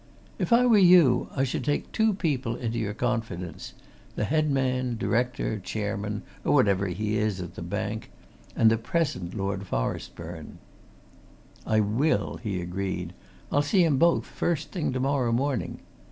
"If I were you, I should take two people into your confidence the head man, director, chairman, or whatever he is, at the bank and the present Lord Forestburne." "I will!" he agreed. "I'll see 'em both, first thing tomorrow morning.